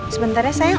sebentar ya sayang